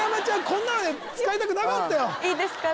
こんなので使いたくなかったよいいですか？